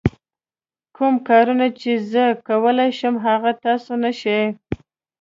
کوم کارونه چې زه کولای شم هغه تاسو نه شئ.